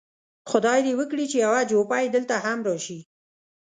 خدای دې وکړي چې یو جوپه یې دلته هم راشي.